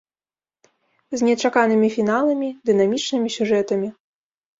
З нечаканымі фіналамі, дынамічнымі сюжэтамі.